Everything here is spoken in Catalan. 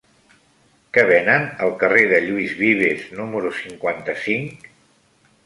Què venen al carrer de Lluís Vives número cinquanta-cinc?